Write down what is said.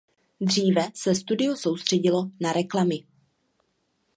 Dříve se studio soustředilo na reklamy.